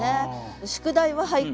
「宿題は俳句」